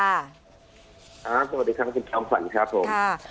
สวัสดีค่ะคุณแคลมฝั่งครับผม